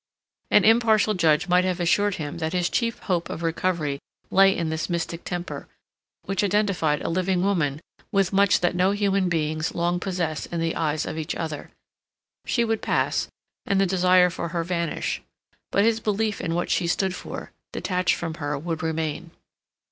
An impartial judge might have assured him that his chief hope of recovery lay in this mystic temper, which identified a living woman with much that no human beings long possess in the eyes of each other; she would pass, and the desire for her vanish, but his belief in what she stood for, detached from her, would remain.